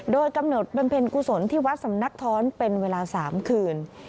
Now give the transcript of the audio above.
โดยกำหนดบำเพ็ญกุศลที่วัดสำนักท้อนเป็นเวลา๓คืน